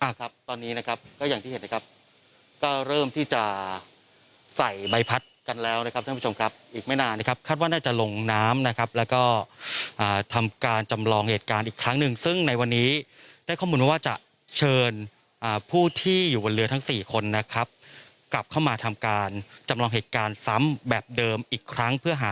ครับตอนนี้นะครับก็อย่างที่เห็นนะครับก็เริ่มที่จะใส่ใบพัดกันแล้วนะครับท่านผู้ชมครับอีกไม่นานนะครับคาดว่าน่าจะลงน้ำนะครับแล้วก็อ่าทำการจำลองเหตุการณ์อีกครั้งหนึ่งซึ่งในวันนี้ได้ข้อมูลมาว่าจะเชิญอ่าผู้ที่อยู่บนเรือทั้งสี่คนนะครับกลับเข้ามาทำการจำลองเหตุการณ์ซ้ำแบบเดิมอีกครั้งเพื่อหา